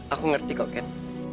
aku ngerti kok ken